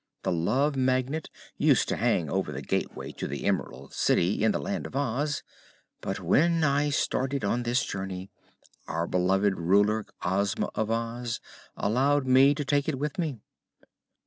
"The Love Magnet used to hang over the gateway to the Emerald City, in the Land of Oz; but when I started on this journey our beloved Ruler, Ozma of Oz, allowed me to take it with me."